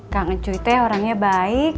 kak ngecuitnya orangnya baik